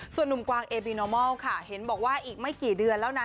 ส่วนนุ่มกวางเอบีโนมอลค่ะเห็นบอกว่าอีกไม่กี่เดือนแล้วนะ